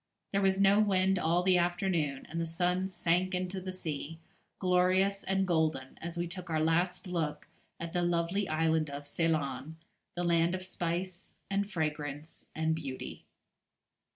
There was no wind all the afternoon, and the sun sank into the sea, glorious and golden, as we took our last look at the lovely island of Ceylon, the land of spice and fragrance and beauty.